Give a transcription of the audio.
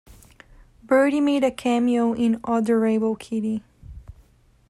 Bertie made a cameo in "Odor-able Kitty".